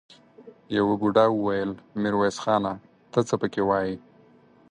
يوه بوډا وويل: ميرويس خانه! ته څه پکې وايې؟